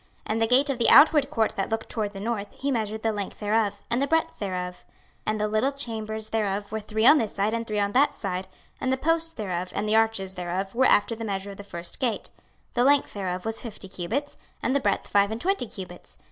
26:040:020 And the gate of the outward court that looked toward the north, he measured the length thereof, and the breadth thereof. 26:040:021 And the little chambers thereof were three on this side and three on that side; and the posts thereof and the arches thereof were after the measure of the first gate: the length thereof was fifty cubits, and the breadth five and twenty cubits.